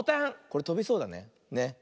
これとびそうだね。